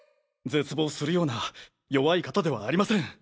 絶望するような弱い方ではありません。